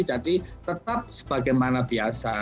jadi tetap sebagaimana biasa